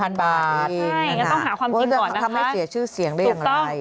ใช่อย่างนั้นต้องหาความจริงก่อนนะคะถูกต้องก็จะทำให้เสียชื่อเสียงได้อย่างไร